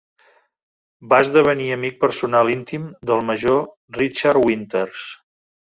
Va esdevenir amic personal íntim del major Richard Winters.